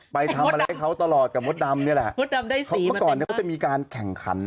ไปทำอะไรให้เขาตลอดกับมดดำนี่แหละเพราะว่าก่อนเขาจะมีการแข่งขัน